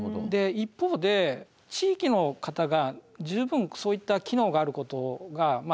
一方で地域の方が十分そういった機能があることが知られていないと。